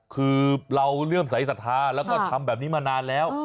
คือเราเริ่มสายศรัทธาแล้วก็ทำแบบนี้มานานแล้ว